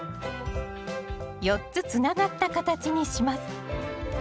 ４つつながった形にします